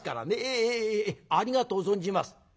ええありがとう存じます。